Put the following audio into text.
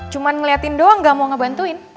cuma ngeliatin doang gak mau ngebantuin